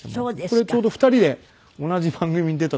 これちょうど２人で同じ番組に出た時の。